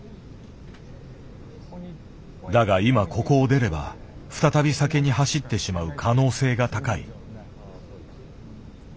だが今ここを出れば再び酒に走ってしまう可能性が高い。